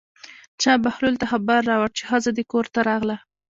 چا بهلول ته خبر راوړ چې ښځه دې کور ته راغله.